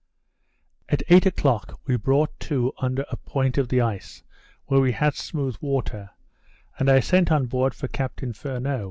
At eight o'clock we brought to under a point of the ice, where we had smooth water: and I sent on board for Captain Furneaux.